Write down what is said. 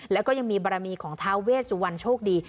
แล้วก็ยังมีบารมีของท้าเวสวรรณโชคดี